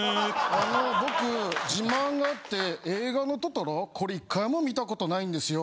あの僕自慢があって映画の『トトロ』これ１回も見たことないんですよ。